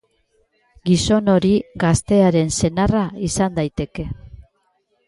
Gizon hori gaztearen senarra izan daiteke.